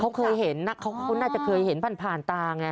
เขาเคยเห็นเขาน่าจะเคยเห็นผ่านผ่านตาไง